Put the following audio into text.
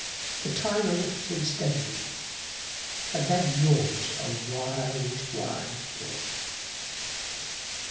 The Tiger looked at him steadily and then yawned a wide, wide yawn.